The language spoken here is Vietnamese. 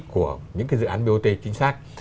của những cái dự án bot chính xác